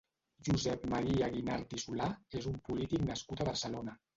Josep Maria Guinart i Solà és un polític nascut a Barcelona.